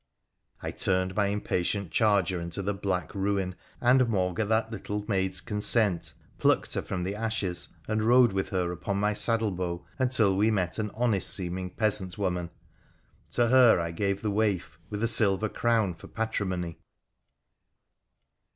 I turned my impatient charger into the black ruin, and, maugre that little maid's consent, plucked her from the ashes, and rode with her upon my saddle bow until we met an honest seeming peasant woman. To her I gave the waif, with a silver crown for patrimony.